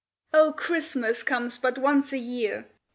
O, CHRISTMAS comes but once a year!